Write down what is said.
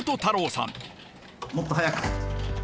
もっと速く。